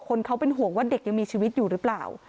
คนเขาเป็นห่วงว่าเด็กยังมีชีวิตอยู่หรือเปล่า